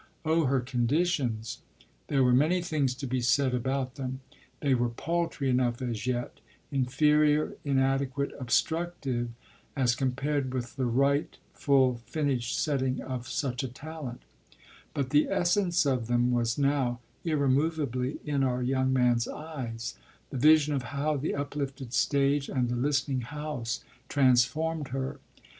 Oh her conditions there were many things to be said about them; they were paltry enough as yet, inferior, inadequate, obstructive, as compared with the right, full, finished setting of such a talent; but the essence of them was now, irremovably, in our young man's eyes, the vision of how the uplifted stage and the listening house transformed her.